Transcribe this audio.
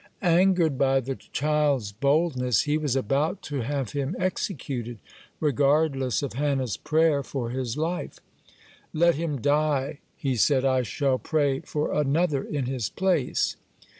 Angered by the child's boldness, he was about to have him executed, regardless of Hannah's prayer for his life. "Let him die," (18) he said, "I shall pray for another in his place."